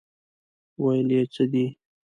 ویل یې څه دي.